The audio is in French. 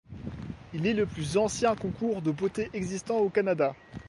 Il est le plus ancien concours de beauté existant au Canada.